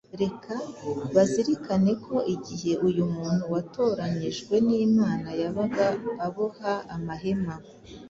Reka bazirikane ko igihe uyu muntu watoranyijwe n’Imana yabaga aboha amahema,